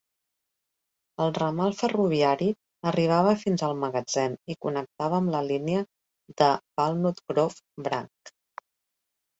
El ramal ferroviari arribava fins al magatzem i connectava amb la línia de Walnut Grove Branch.